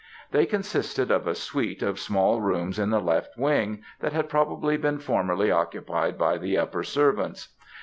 They consisted of a suite of small rooms in the left wing, that had probably been formerly occupied by the upper servants.